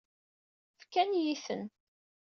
Fkan-iyi-ten.